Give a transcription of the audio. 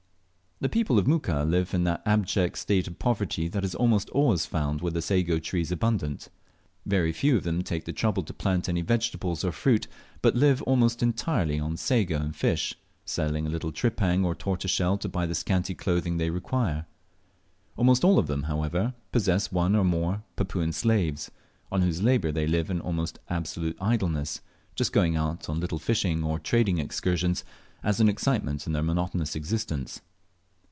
The people of Muka live in that abject state of poverty that is almost always found where the sago tree is abundant. Very few of them take the trouble to plant any vegetables or fruit, but live almost entirely on sago and fish, selling a little tripang or tortoiseshell to buy the scanty clothing they require. Almost all of them, however, possess one or more Papuan slaves, on whose labour they live in almost absolute idleness, just going out on little fishing or trading excursions, as an excitement in their monotonous existence.